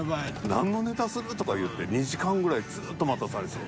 「何のネタする？」とか言って２時間ぐらいずっと待たされて。